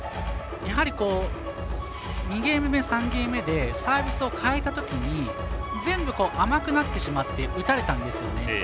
やはり、２ゲーム目３ゲーム目でサービスを変えたときに全部甘くなってしまって打たれたんですよね。